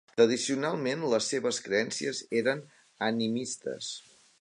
Tradicionalment les seves creences eren animistes.